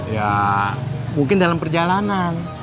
ya mungkin dalam perjalanan